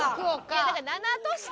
いやだから７都市とか。